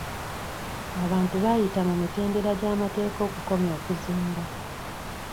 Abantu baayita mu mitendera gy'amateeka okukomya okuzimba.